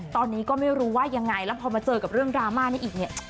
ตอนนี้ก็ไม่รู้ว่ายังไงแล้วพอมาเจอกับเรื่องดราม่านี้อีกเนี่ย